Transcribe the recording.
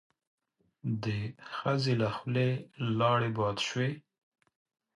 د ښځې له خولې لاړې باد شوې.